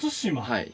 はい。